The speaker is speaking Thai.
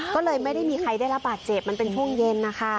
ก็เลยไม่ได้มีใครได้รับบาดเจ็บมันเป็นช่วงเย็นนะคะ